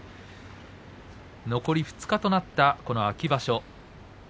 残り２日となったこの秋場所。